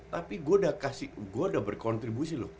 tapi gue udah berkontribusi